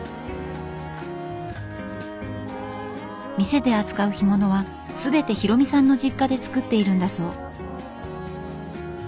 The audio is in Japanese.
店で扱う干物は全て広海さんの実家で作っているんだそう。